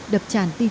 đập tràn tiệt